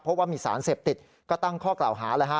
เพราะว่ามีสารเสพติดก็ตั้งข้อกล่าวหาเลยฮะ